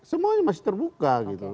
semuanya masih terbuka gitu